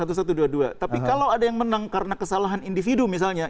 tapi kalau ada yang menang karena kesalahan individu misalnya